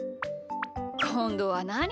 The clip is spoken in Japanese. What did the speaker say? こんどはなに？